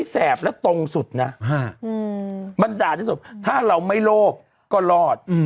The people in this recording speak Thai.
แสบแล้วตรงสุดนะมันด่าที่สุดถ้าเราไม่โลภก็รอด